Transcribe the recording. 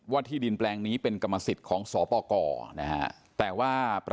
ที่ดินแปลงนี้เป็นกรรมสิทธิ์ของสปกรนะฮะ